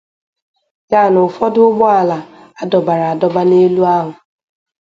ya na ụfọdụ ụgbọala a dọbara adọba n'ebe ahụ.